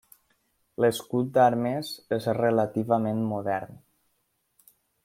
L'escut d'armes és relativament modern.